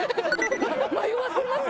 迷わせますね！